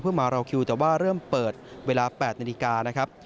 เพื่อมารอคิวแต่ว่าเริ่มเปิดเวลา๘นาทีกา